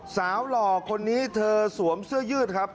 หล่อคนนี้เธอสวมเสื้อยืดครับ